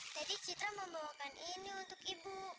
jadi citra membawakan ini untuk ibu